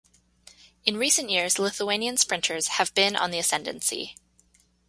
In recent years, Lithuanian sprinters have been on the ascendancy.